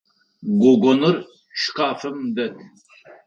Гогоныр шкафым дэт.